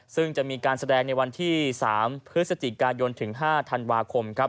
ซึ่งจะมีการแสดงในวันที่๓พฤศจิกายนถึง๕ธันวาคมครับ